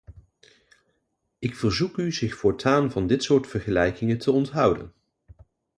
Ik verzoek u zich voortaan van dit soort vergelijkingen te onthouden!